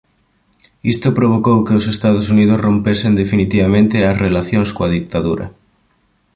Isto provocou que os Estados Unidos rompesen definitivamente as relacións coa ditadura.